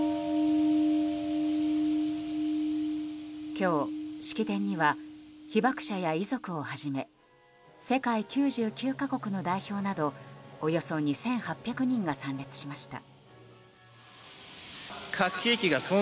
今日、式典には被爆者や遺族をはじめ世界９９か国の代表などおよそ２８００人が参列しました。